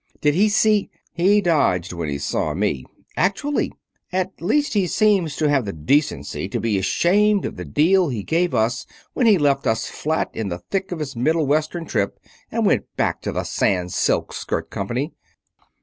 '" "Did he see " "He dodged when he saw me. Actually! At least, he seems to have the decency to be ashamed of the deal he gave us when he left us flat in the thick of his Middle Western trip and went back to the Sans Silk Skirt Company.